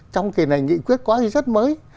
trong kỳ này nghị quyết quá thì rất mới